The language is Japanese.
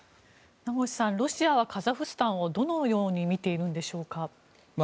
名越さん、ロシアはカザフスタンをどのように見ているんでしょうか。